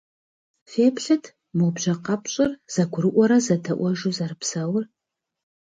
Феплъыт, мо бжьэ къэпщӏыр зэгурыӏуэрэ зэдэӏуэжу зэрыпсэур.